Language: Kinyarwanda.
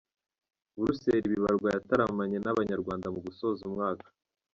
Buruseli Bibarwa yataramanye n’Abanyarwanda mu gusoza umwaka